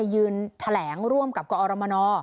ยืนแถลงร่วมกับกอรมน